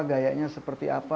gayanya seperti apa